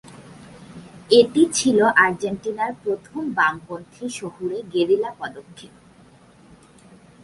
এটি ছিল আর্জেন্টিনার প্রথম বামপন্থী শহুরে গেরিলা পদক্ষেপ।